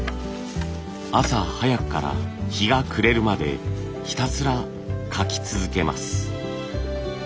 朝早くから日が暮れるまでひたすらかき続けます。